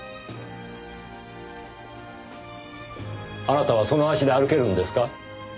あなたはその足で歩けるんですか？